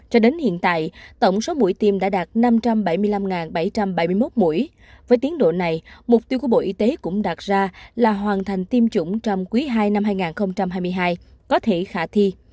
cho đến hiện tại tổng số mũi tiêm đã đạt năm trăm bảy mươi năm bảy trăm bảy mươi một mũi với tiến độ này mục tiêu của bộ y tế cũng đặt ra là hoàn thành tiêm chủng trong quý ii năm hai nghìn hai mươi hai có thể khả thi